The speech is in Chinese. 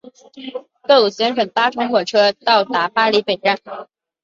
豆豆先生搭乘火车到达巴黎北站。